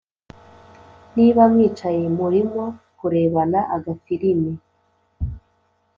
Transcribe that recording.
niba mwicaye murimo kurebana agafilimi